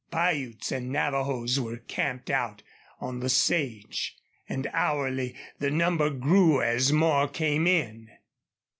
Piutes and Navajos were camped out on the sage, and hourly the number grew as more came in.